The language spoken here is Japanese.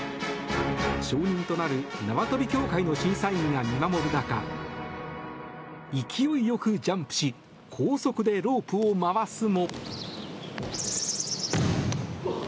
証人となる、なわ跳び協会の審査員が見守る中勢いよくジャンプし高速でロープを回すも。